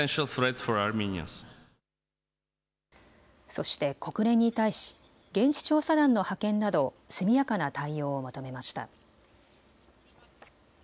そして国連に対し現地調査団の派遣など速やかな対応を求めました。